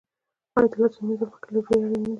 آیا د لاسونو مینځل مخکې له ډوډۍ اړین نه دي؟